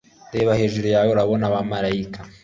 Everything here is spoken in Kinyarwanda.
reba hejuru yawe urabona abamarayika